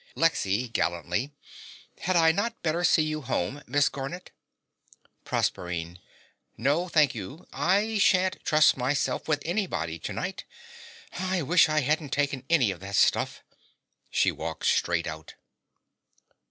LEXY (gallantly). Had I not better see you home, Miss Garnett? PROSERPINE. No, thank you. I shan't trust myself with anybody to night. I wish I hadn't taken any of that stuff. (She walks straight out.)